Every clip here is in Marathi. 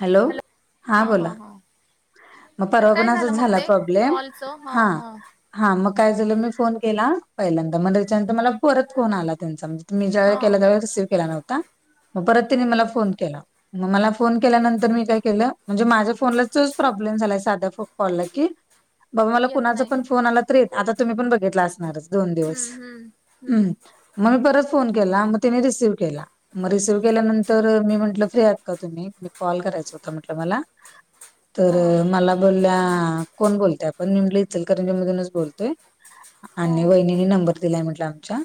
हॅलो, हा बोला. मग तर परवा पण काय असाच झालं मग झाला ते प्रॉब्लेम... कॉलचं हा.. हा मग काय झालं मी फोन केला पहिल्यांदा, मग त्याच्यानंतर मला परत फोन आला त्यांचा म्हणजे मी ज्या वेळी हा केला त्या वेळी रिसीव्ह केला नव्हता, मग परत त्यांनी मला ओके फोन केला मग मला फोन नंतर मी काय केलं म्हणजे माझ्या फोन प्रॉब्लेम झाला साध कॉल की बाबा मला येत कुणाचा नाही पण फोन आला तरीे, आता तुम्ही पण बघितला असणारच दोन दिवस, हम्म हम्म हं.. हम्म मग मी परत फोन केला, मग त्यानी रिसीव केला. मग रिसिव्ह केल्यानंतर मी म्हंटलं फ्री आहात का तुम्हीं? कॉल करायच होत म्हटलं मला तर हा मला बोलल्या कोण बोलतय आपण? मी म्हणलं इचलकरंजीमधूनच बोलतोय. हा आणि वहिनीनी नंबर दिलाय म्हंटलं आमच्या,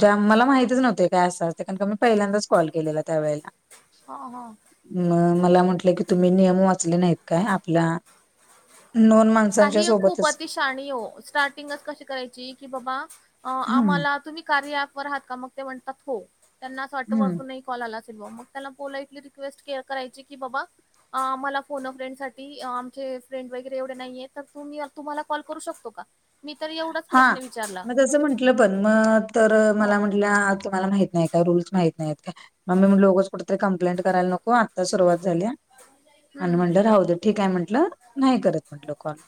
जाम मला माहतीच नव्हतं काय असं असतयं, कारण का मी पहिल्यांदाच कॉल केलेला त्यावेेळेला. हा, हा. मग मला म्हटले की, तुम्हीं नियम वाचले नाहीत काय आपल्या नोन माण काही एक खूप अति शहाणी आहे हो स्टार्टिंगच कशी करायची की, बाबा हम्म आम्हांला तुम्हीं कार्या ॲप वर आहात का? मग ते म्हणतात हो त्यांना असं वाटतं हम्म वरतून एक कॉल आला असेल बुवा, मग त्याला पोलाइटली रिक्वेस्ट करायची की बाबा अं मला फोन अ फ्रेंड साठी आमचे फ्रेंड वगैरे एवढे नाहीयेत तर तुम्हीं तुम्हांला कॉल करू शकतो का? मी तर एवढं हा मग तसं म्हंटलं पण मग तर मला हा म्हटल्या तुम्हांला माहित नाही हाय काय, रूल्स माहीत नाहीयात का? मग मी म्हणलं उगच कुठंतर तर कंप्लेंट करायला नको आत्ता सुरुवात झाल्या, आणि हम्म म्हंटलं राहू दे. ठीक आहे म्हंटलं, नाही करत म्हटलं कॉल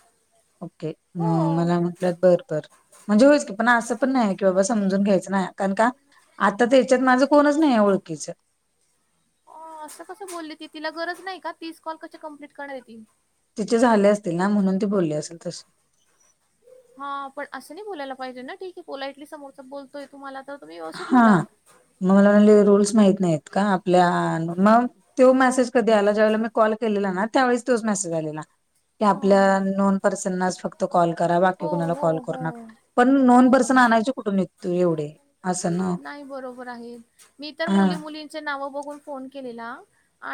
ओके म हो मला म्हटल्यात बरं. म्हणजे होयच की, पण असं पण नाही की बाबा समजून घ्यायचं नाही कारण का आता त्या हेच्यात माझं कोणच नाही आहे ओळखीच. हां असं कसं बोलली ती तिला गरज नाही का, तीस कॉल कशी कंप्लीट करणार आहे ती. तिचे झाले असतील ना, म्हणून ती बोलली असेल तशी. हा पण असं नाही बोलायला पाहिजे ना, ठीक आहे. पोलाइटली समोरचा बोलतोय तुम्हांला तर तुम्हीं व्यवस्थित हा बोला. मग मला म्हणली रूल्स माहीत नाहीयेत का? आपल्या मग. त्यो मेसेज कधी आला ज्यावेळेला मी कॉल केलेला ना, त्यावेळेस तोच मेसेज आलेला. ते हा आपलं नोन पर्सनाच फक्त. तो कॉल करा, बाकी हो कुणाला हो कॉल हो करू नका, पण नोन पर्सन हो आणायचे कुठून येतू एवढे असं ना नाही बरोबर आहे, मी तर हा मुली- मुलींचे नाव बघून फोन केलेला.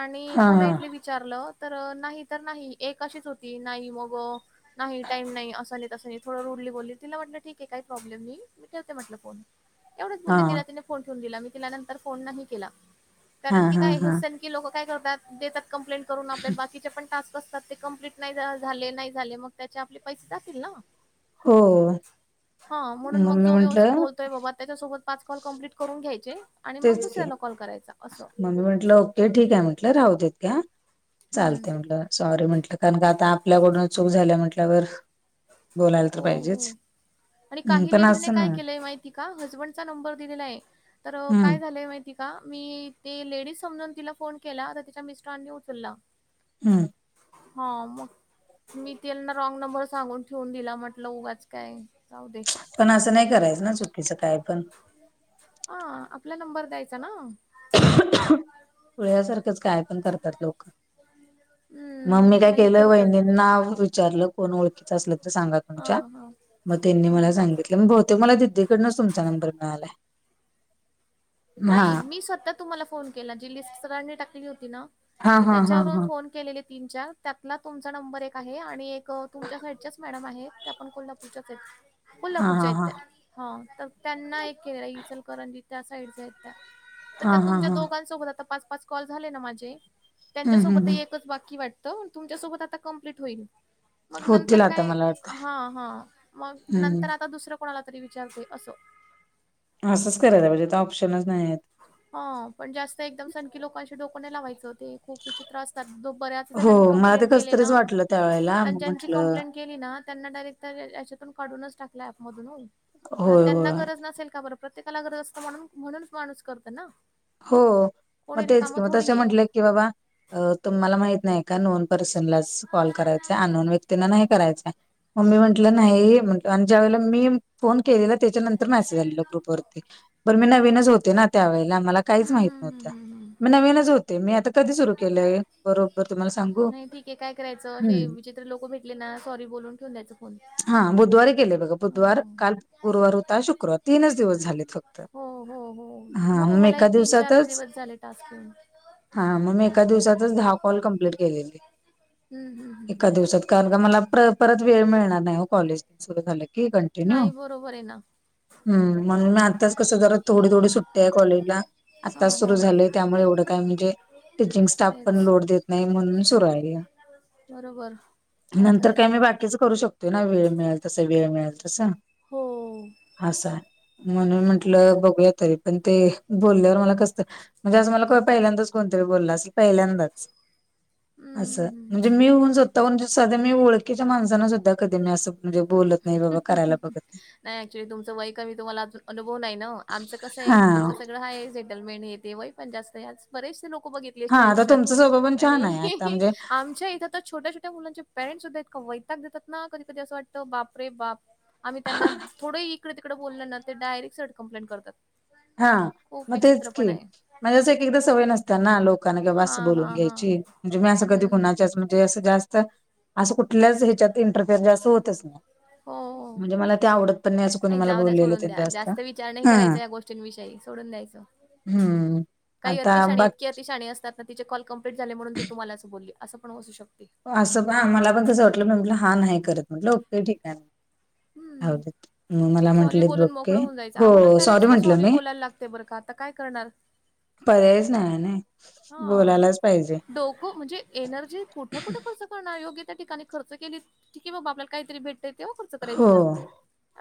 आणि हा हा पोलाइटली विचारलं तर नाही तर नाही एक अशीच होती नाही मग नाही टाईम नाही, असं नाही, तसं नाही, थोडं रुडली बोलली तिला म्हटलं ठीक आहे काही प्रॉब्लेम नाही मी ठेवते म्हटलं फोन. एवढच हा बोलली तिला तिने फोन ठेवून दिला, मी तिला नंतर फोन नाही हा कारण की हा काय हे हा से टी लोकं काय करतात देतात कंप्लेंट करून आपल्याला बाकीच्या पण टास्क असतात ते कंप्लीट नाही झाले, नाही झाले मग त्याचे आपले पैसे जातील ना. हो हा म्हणून मग मी जो व्यवस्थित म्हंटलं बोल तोय बाबा त्यांच्यासोबत पाच कॉल कंम्प्लीट करून घ्यायचे, आणि मग तेच की, दुसऱ्याला कॉल करायचा असं मग मी म्हंटलं. ठीक आहे म्हंटलं राहत इतके हम्म चालत म्हटलं. सॉरी म्हटलं, कारण का आता आपल्याकडून चूक झाली म्हटल्यावर. बोलायला तर हो- हो, पाहिजेच आणि हं, काही पण लेडीजने असं नाही काय केलंय माहिती [unintelligible] हजबंडचा नंबर दिलेला आहे तर हम्म काय झालंय माहि ती का मी, ते लेडीज समजून तिला फोन केला तर तिच्या मिस्टरांनी उचलला. हम्म. हा मग, मी तेना रॉंग नंबरच सांगून ठेवून दिला म्हटल उगाच काय. जाऊ दे पण असं नाही करायचं ना चुकीचं काय पण. हा, आपला नंबर द्यायचा ना. पुळ्यासारखंच काय पण करतात लोक. मग हम्म मी काय काही केलं करतात वहिनींना विचारलं कोण ओळखीच असलं तर सांगा. हा तमच्या, हा मग त्यांनी हा मला सांगितले मग बहुतेक मला दिदीकडनच तुमचा नंबर मिळालाय. हा नाही मी स्वतः तुम्हाला फोन केला जी लिस्ट सरांनी टाकली होती ना हा मी हा हा त्याच्यावरून हा फोन केलेले तीन चार त्यातन तुमचा नंबर एक आहे आणि एक तुमच्या साईडच्या मॅडम आहेत त्या पण कोल्हापूरच्या येत, हा हा कोल्हापूरच्यात हा त्या तर त्यांना एक केलेला इचलकरंजी त्या साईड आहेत त्या, तर हा त्या हा तुमच्या हा दोघांसोबत आता पाच- पाच कॉल झाले ना माझे. हम्म हम्म त्यांच्यासोबत हम्म एकच बाकी वाटतं तुमच्यासोबत आता कंप्लीट होईल. मग होतील नंतर आता काय, मला वाटतंय हा- हा मग हम्म नंतर आता दुसरं कोणाला तरी विचारते असं. असंच करायला पाहिजे आ ऑप्शनच नाही आहेत. हा, पण जास्त एकदम सनखी लोकांशी डोक नाही लावायचं ते खूप विचित्र आसतात द बऱ्या हो जणांनी मला ते कंप्लेंट कस केली ना, तरीच वाटलं त्यावेेळेला अन् मग ज्यांनी म्हंटलं कंप्लेंट केली ना त्यांना डायरेक्ट याच्यातून काढूनच टाकला ऍपमधून हो. आ होय त्यांना होय गरज नसेल का बरं प्रत्येकाला गरज असत म्हणून, म्हणूनच माणूस करत ना. हो कोणी मग तेच रिकामं कि मग तसे थोडी आहे. म्हटले. की बाबा, तुम्हाला माहित नाही का नोन पर्सनलाच कॉल करायचा आण व्यक् तीनं नाही करायचय, मग मी म्हंटल नाही म्हंट आणि ज्या वेळेला मी. फोन केलेला त्याच्यानंतर मेसेज आलेला ग्रुपवरती, बर मी नवीनच होते ना त्या वेळेला. काहीच हं, माहित हं, हं, नव्हत, हं, हं. मी नवीनच होते मी आता कधी सुरू केलंय. बरोबर तुम्हाला सांगू नाही ठीक आहे, काय करायचं हम्म असे विचित्र लोक भेटले ना सॉरी बोलून ठेऊन द्यायच फोन. हा बुधवारी गेले बघा बुधवार हं. काल गुरुवार होता शुक्रवार तीनच दिवस झालेत फक्त. हो हो हो, हा हो मग मला एका एक दिवसातच. ह मग मी एका दिवसातच दहा कॉल कमप्लीट केलेली, हं, हं, हं. एका दिवसात. कारण का मला परत - परत वेळ मिळणार नाही. नाही ओ कॉलेज सुरू झाले की कंटिन्यू, नाही बरोबर आहे ना. म्हणून आत्ताच कसं जरा थोडी थोडी सुट्ट्या आहे कॉलेजला, आत्ताच हां, सुरू हां. झालेय त्यामुळे एवढं काय म्हणजे. टीचिंग स्टाफ पण तेच लोड देत नाही म्हणून सुरू आहे. [unintelligible] काय नंतर करायचं मी मग? बाकीच करू शकतोय ना वेळ मिळेल तस वेळ मिळेल तस. हो. अस, म्हणून तेच. म्हंटलं बघूया तरी पण ते. बोलल्यावर मला कसत म्हणजे असं मला पहिल्यांदाच कोणतरी बोलला असेल पहिल्यांदाच. हं, हं, असं, हं. म्हणजे मी होऊन स्वतः हून साधं मी ओळखीच्या माणसना सुद्धा कधी मी असं. म्हणजे बोलत नाही बाबा करायला बघत नाही. नाही ऍक्च्युली तुमचं वय कमी तुम्हाला अनुभव नाही. ना आमच कसं आहे, हा आमचं [unintelligible] सेटलमेंट हे ते व पण जास्त बेचसे लोक बघित हा यचय [unintelligible] आता आयुष्यात तुमचा स्वभाव पण छान आहे आता आणि म्हणजे आमच्या इथ आता छोट्या छोट्या मुलांचे पेरेंट्स सुद्धा इतक वैताक देतात, ना कधी कधी अस वाटतं बापरे.. बाप, आम्ही त्यांना, थोडं इकडे तिकडें बोलल ना, ते डायरेक्ट सट कं्प्लेन करतात. हा खूप मग तेच की, विचित्रपणा आहे. म्हणजे अस एक एकदा सवय नसतात ना. लोक लोकना क असं हां, बोलून हां, हां. घ्यायची म्हणजे. मी असं कधी हं. कुणाच्याच म्हणजे असं जास्त. असं कुठल्याच ह्याच्यात इंटरफेअर जा अस होतच नाही. हो, हो. म्हणजे मला ते आवडत नहीं, नाही जाऊ द्या, सोडून द्या जास्त विचार नाही हा करायचा या गोष्टींविषयी सोडून द्यायचं. हम्म काही आता अतिशाणे, बाकी इतकीे अतिशाणी असतात? तिचे कॉल कंप्लीट झाले, म्हणून ती तुम्हालां बोलली असं पण असू शकते. असं पण आ मला पण कसं वाटलंटलं हा नाही करत म्हटलं े ठिकाणी. हं. मला सॉरी म्हटलेत बोलून बघके मोकळं होऊन जायचं आम्हाला हो,.. सॉरी पॅरेंट्सला म्हंटलं मी बोलायला लागते बरं का आता काय करणार? पर्याच नाही ना. हा डोकं म्हणजे, एनर्जी कुठे कुठं कसं करणार. योग्य त्या ठिकाणी खर्च केली ठीके बाबा आपला काहीतरी भेटत तेव्हा, खर्च हो करायची ना.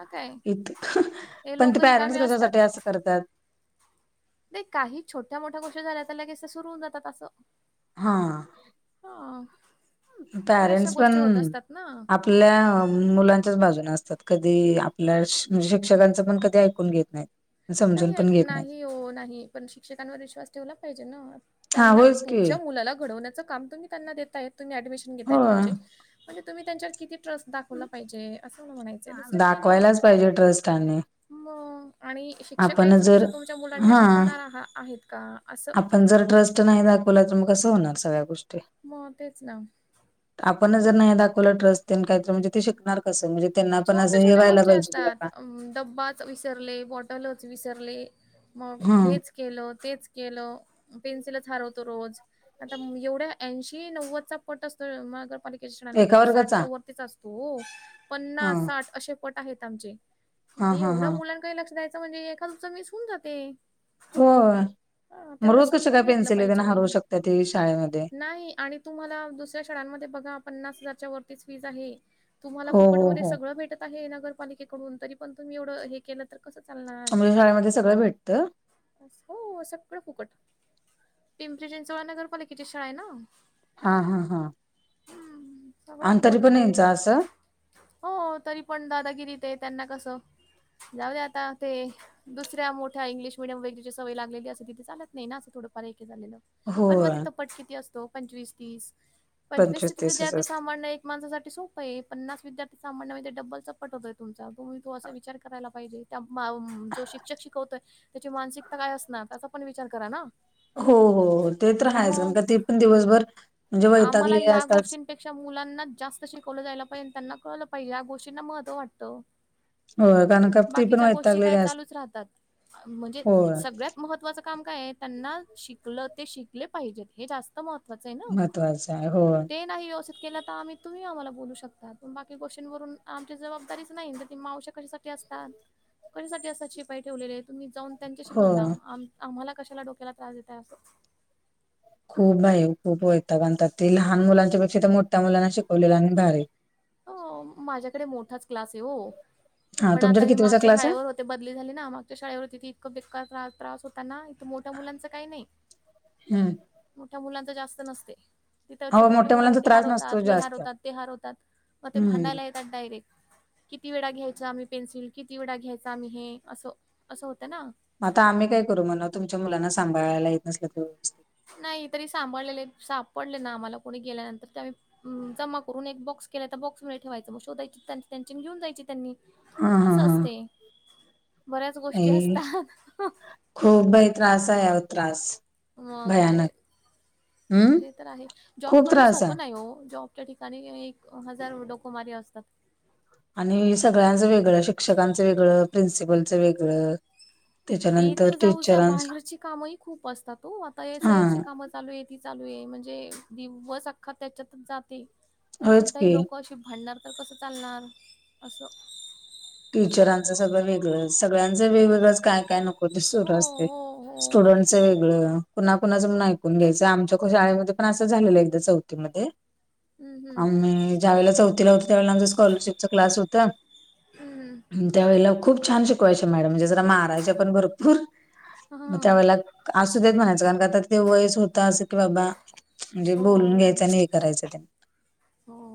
ह काय इत हे पण ते लोकरी पॅरेंट्स कामीे असतात? कशासाठी असं करतात ते काही छोट्या मोठ्या गोष्टी झाल्या तर लगेच सुरु होन जातात असं, हां, हा, पॅरेंटस पण.. ना. आप लय, मुलांच्याच बाजून असतात कधी आपल्या कधी ऐकून घेत नाहीत? नाही समजून पण ऐक घेत नाहीत नाही हो नाही पण शिक्षकांवर विश्वास ठेवला पाहिजे ना. हा त्यांना होयच की तुमच्या मुलाला घडवण्याचं काम तुम्हीं, हो [unintelligible] दाखवलं पाहिजे, असं म्हणून म्हणायचंय दुसरे काय नहीं, दावायलाच पाजे ट्रस [unintelligible] मग, आणि शिक्षक काही आपण जर चुकीचं तुमच्या मुलांना हा शिकवणार. का, आपण जर ट्रस्ट नाही दाखवला तर मग कसं होणार सगळ्या गोष्टी, मग तेच ना. आपणच जर नाही दाखवलं ट्रेस ते काय तर काय ते शिकणार कसं म्हणजे त्यांना पण असं हेवायला पाहिजे. ब डब्बाात विसरले, बॉटलच विसरले, मग हं हेच केलं तेच केलं पेन्सिल हरवतो रोज, आता एवढ्या ऐंशी नव्वदचा पट असतो, मगरपालिक एका क्षणमध्ये वर्गाचा साठच्या वरतीचा असतो. हो.. हा पन्नास, साठ असे पट आहेत आमचे. हा ते हा हा एवढ्या मुलां काही लक्ष द्यायचं म्हणजे, एखादच मीस होऊन जाते. होय हा मग तेवढं रोज कशी काय समजून घेतलं पेन्सिल त्यांना पाहिजे.. हरवू शकतात ते शाळेमध्ये नाही आणि, तुम्हाला दुसऱ्या शाळेमध्ये बघा पन्नास हजाराच्यावरती फीस आहे? तुम्हाला हो फुकट हो मध्ये, हो भेटत आहे. नगरपालिकेकडून तरी पण तुम्हीव के तर कसं, चालणार? आमच्या शाळेमध्ये सगळं भेटतं. हो.. सगळं फुकट पिंपरी चिंचवड नगरपालिकेची शाळा आहे ना. हा हा हा. हम्म सगळं आणि तरी फुकट पण मिळतो. यांचं असं हो तरी पण दादागिरी ते त्यांना कसं जाऊ दे आता ते. दुसऱ्या मोठ्या इंग्लिश मिडयम वैगरीची सवय लागलेली असं तिथे चालत नाही ना असं थोडंफार एक हे झालेलं पण मग होय तिथं पट किती असतो पंचवीस तीस पंचवीस तीस तीसच विद्यार्थी असतं सांभाळणं एक माणसासाठी सोप्पं आहे पन्नास विद्यार्थी सांभाण्या वय ते चपट होतय तुमचा तुम्ही तो असं विचार करायला पाहिजे त्या माम जो शिक्षक शिकवतोय त्याची मानसिकता काय असणार त्याचा पण विचार करा ना. हो हो तेच हायचं म्मग मग का ते पण दिवसभर म्हणजे वैतागले असतात. पेक्षा मुलांना जास्त शिकवलं जायला पाहिजे त्यांना कळलं पाहिजे या गोष्टींना महत्व वाटतं. होय कारण का ती पण बाकीच्या गोष्टी वैतागलेली काय असतात चालूच राहतात म्हणजे होय सगळ्यात महत्वाचा काम काय आहे त्यांना शिकलं ते शिकले पाहिजेत हे जास्त महत्त्वाचं आहे ना. तो असा आहे हो. ते नाही व्यवस्थित केलं तर आम्ही तुम्ही आम्हाला बोलू शकताात पण बाकी गोष्टींवरून आमची जबाबदारीच नाही तर मावश्या कशी सा ठी असतात कशासाठी असतात शिपाई ठेवलेली आहे तुम्ही जाऊन त्यांच्याशी भांडा होय आम आम्हाला कशाला डोक्याला त्रास देताय असं. खूप आहे खूप वैताक आणतात ते लहान मुलांच्यापेक्षा तर मोठ्या मुलांना शिकवलेलं आणि भारी. हो माझ्याकडे मोठाच क्लास आहे हो हा पण आता तुमच्याकडे मी कितवीचा मागच्या क्लास आहे शाळेवर होत ते बदली झाली ना मगच्या शाळेवर होती ती इतकं बेकार त्रा त्रास होता ना इथं मोठ्या मुलांच काही नाही हम्म. मोठ्या मुलांच जास्त नसते तिथं हो छोटे-छोटे मोठ्या मुलं मग मुलांचा ते त्रास नसतो हरवतात हे जास्त हरवतात हरवतात म ते हम्म भांडायला येतात डायरेक. किती वेळा घ्यायचा आम्ही पेन्सिल किती वेळा घ्यायचा आम्ही हे असं असं होतंय ना. आता आम्ही काय करू म्हणव तुमच्या मुलांना सांभाळायला येत नसला तर व्यवस्थित. नाही तरी सांभाळलेले सापडले ना आम्हाला कोणी गेल्यानंतर ते आम्ही उम्म जमा करून एक बॉक्स केला त्या बॉक्स मध्ये ठेवायचं मग शोधायची त्यांची त्यांची अन घेऊन जायची त्यांनी. हा हा असं हा असते बऱ्याच गोष्टी आई असतात. खूप बाई त्रास आहे अहो त्रास. मग काय भयानक हम्म ते तर आहे जॉब खूप करणं त्रास आहे सोपं नाही हो जॉब त्या ठिकाणी एक हजार डोकोमारी असतात. आणि सगळ्यांचं वेगळं शिक्षकांचं वेगळं प्रिन्सिपलचं वेगळं ते त्याच्यानंतर तर जाऊ द्या टीचरांच बाहेरची कामही खूप असतात हो आता एस आय आर हा ची कामचं चालू आहे ती चालू आहे म्हणजे दिवस अख्खा त्याच्यातच जाते. तरी होच सुद्धा ही की लोकं अशी भांडणार तर कसं चालणार असं. टीचरांचं सगळं वेगळं सगळ्यांचं वेगळंच काय काय नको हो ते सुरू असते हो, हो. स्टुडंट चा वेगळं कुणा- कुणाचा पण ऐकून घ्यायचं आमच्या शाळेमध्ये पण असं झालेलं एकदा चौथीमध्ये हं, हं. आम्ही ज्या वेळेला चौथीला होतो त्या वेळेला आमचा स्कॉलरशिपचा क्लास होता हम्म हम्म. हम्म त्या वेळेला खूप छान शिकवायच्या मॅडम म्हणजे जरा मारायच्या पण भरपूर. मग त्या हां. वेळेला असू देत म्हणायचं कारण काय आता ते वयच होत तास की बाबा म्हणजे हो, बोलून घ्यायचं आणि हे करायचं त्यां. [inaudible] हो.